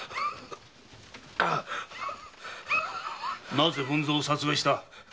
なぜ文造を殺害した！